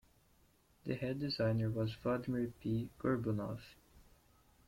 The head designer was Vladimir P. Gorbunov.